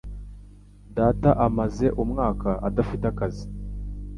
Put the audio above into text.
Data amaze umwaka adafite akazi.